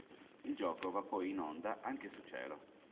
Il gioco va poi in onda anche su Cielo.